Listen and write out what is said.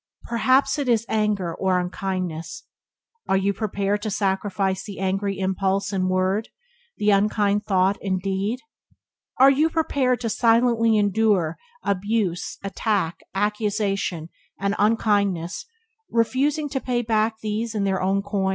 Perhaps it is anger or unkindness. Are you prepared to sacrifice the angry impulse and word, the unkind thought and deed? Are you prepared to silently endure abuse, attack, accusation, and unkindness, refusing to pay back these in their own coin?